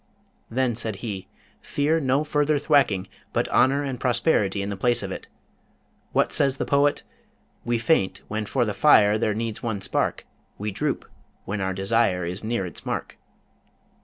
Then said he, 'Fear no further thwacking, but honour and prosperity in the place of it. What says the poet? "We faint, when for the fire There needs one spark; We droop, when our desire Is near its mark."